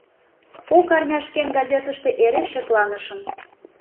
Кок арняшкен газетыште эре шекланышым.